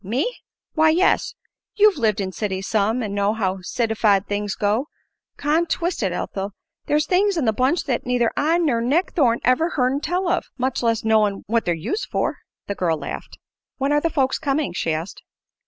"Me!" "Why, yes. You've lived in cities some, an' know how citified things go. Con twist it, Ethel, there's things in the bunch that neither I ner Nick Thorne ever hearn tell of, much less knowin' what they're used for." The girl laughed. "When are the folks coming?" she asked.